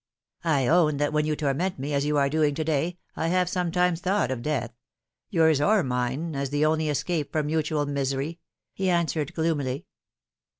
" I own that when you torment me, as you are doing to day, I have sometimes thought of death yours or mine as the only escape from mutual misery," he answered gloomily.